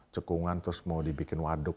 cekungan terus mau dibikin waduk